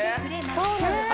そうなんですよ